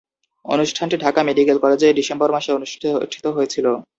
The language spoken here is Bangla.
অনুষ্ঠানটি ঢাকা মেডিকেল কলেজে ডিসেম্বর মাসে অনুষ্ঠিত হয়েছিলো।